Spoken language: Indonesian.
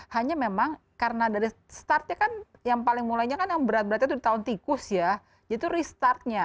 hanya memang karena dari mulanya yang berat beratnya di tahun tikus itu restartnya